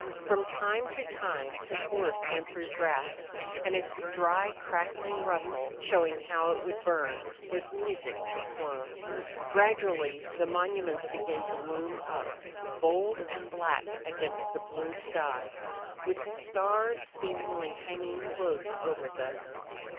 From time to time his horse went through grass, and its dry, crackling rustle, showing how it would burn, was music to Slone. Gradually the monuments began to loom up, bold and black against the blue sky, with stars seemingly hanging close over them.